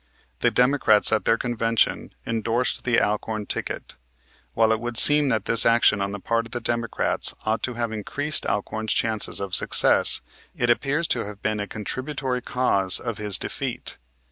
The Democrats at their convention endorsed the Alcorn ticket. While it would seem that this action on the part of the Democrats ought to have increased Alcorn's chances of success, it appears to have been a contributory cause of his defeat.